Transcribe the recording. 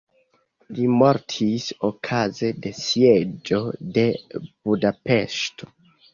Li mortis okaze de sieĝo de Budapeŝto.